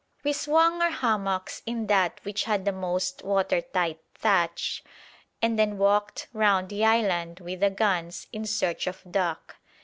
We swung our hammocks in that which had the most water tight thatch, and then walked round the island with the guns in search of duck.